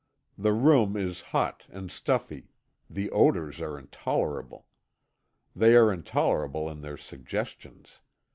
The room is hot and stuffy; the odors are intolerable. They are intolerable in their suggestions.